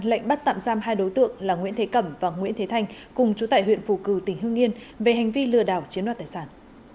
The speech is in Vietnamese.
lệnh bắt tạm giam hai đối tượng là nguyễn thế cẩm và nguyễn thế thanh cùng chủ tại huyện phù cử tỉnh hương yên về hành vi lừa đảo chiếm đoạt tài sản